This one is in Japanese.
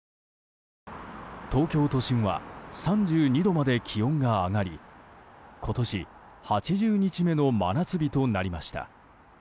東京都心は３２度まで気温が上がり今年８０日目の真夏日となりました。